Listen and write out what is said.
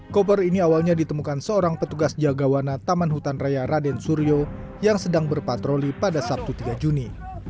koper ini awalnya ditemukan seorang petugas jagawana taman hutan raya raden suryo yang sedang berpatroli pada sabtu tiga juni